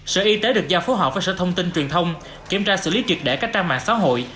sở y tế được giao phối hợp với sở thông tin truyền thông kiểm tra xử lý triệt để các trang mạng xã hội